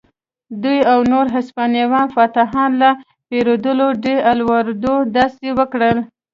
دوی او نور هسپانوي فاتحان لکه پیدرو ډي الواردو داسې وکړل.